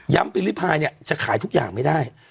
ปีริพายเนี่ยจะขายทุกอย่างไม่ได้